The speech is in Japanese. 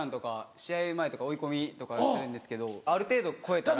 試合前とか追い込みとかするんですけどある程度超えたら。